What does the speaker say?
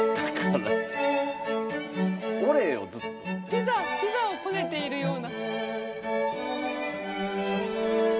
ピザピザをこねているような。